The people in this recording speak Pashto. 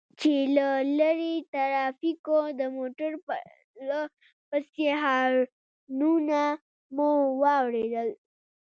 چې له لرې د ټرافيکو د موټر پرله پسې هارنونه مو واورېدل.